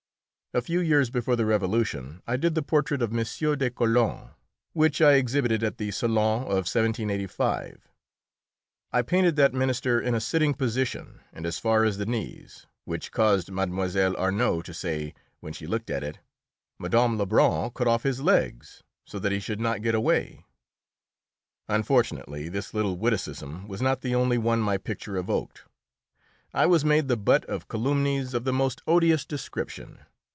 A few years before the Revolution I did the portrait of M. de Calonne, which I exhibited at the Salon of 1785. I painted that minister in a sitting position and as far as the knees, which caused Mlle. Arnould to say, when she looked at it: "Mme. Lebrun cut off his legs, so that he should not get away." Unfortunately, this little witticism was not the only one my picture evoked; I was made the butt of calumnies of the most odious description.